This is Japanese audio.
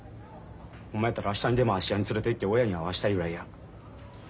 ホンマやったら明日にでも芦屋に連れていって親に会わしたいぐらいや。